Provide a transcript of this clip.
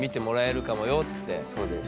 そうです。